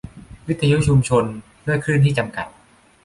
วิทยุชุมชน : ด้วยคลื่นที่จำกัด